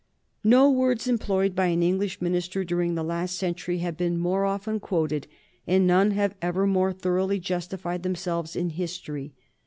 No words employed by an English minister during the last century have been more often quoted, and none have ever more thoroughly justified themselves in history.